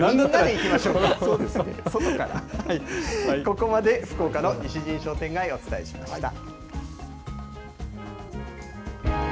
ここまで福岡の西新商店街、お伝えしました。